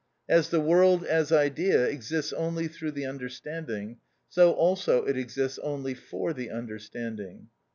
As the world as idea exists only through the understanding, so also it exists only for the understanding.